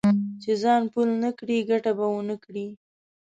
چې ځان پل نه کړې؛ ګټه به و نه کړې.